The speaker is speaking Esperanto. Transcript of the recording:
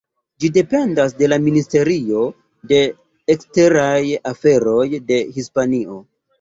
Ĝi dependas de la Ministerio de Eksteraj Aferoj de Hispanio.